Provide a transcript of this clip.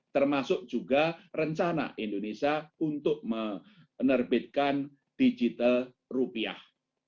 termasuk juga rencana indonesia untuk menerbitkan digital rupiah